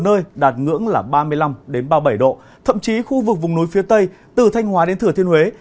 có nắng nóng trên diện rộng với nhiều nơi đạt ngưỡng là ba mươi năm ba mươi bảy độ thậm chí khu vực vùng núi phía tây từ thanh hóa đến thừa thiên huế